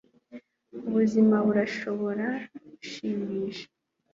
ubuzima burashobora gushimisha